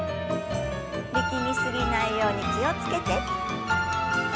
力み過ぎないように気を付けて。